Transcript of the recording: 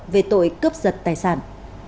về tội cướp giật tài sản